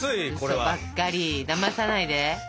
うそばっかりだまさないで。